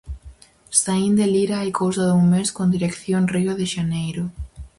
Saín de Lira hai cousa dun mes con dirección Río de Xaneiro.